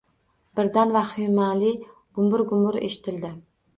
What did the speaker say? Birdan vahimali gumbur-gumbur eshitildi